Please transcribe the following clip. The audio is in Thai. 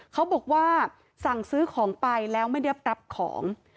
เขาบอกว่าสั่งซื้อของไปแล้วไม่ได้รับของ